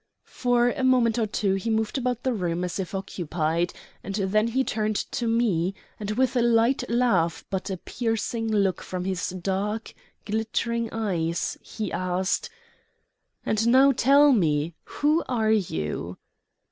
For a moment or two he moved about the room as if occupied, and then he turned to me, and with a light laugh, but a piercing look from his dark, glittering eyes, he asked: "And now, tell me, who are you?"